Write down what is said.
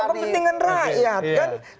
kan untuk kepentingan rakyat kan